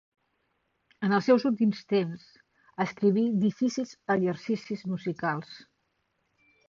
En els seus últims temps escriví difícils exercicis musicals.